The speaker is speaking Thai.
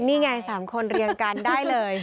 นี่ไง๓คนเรียงกันได้เลย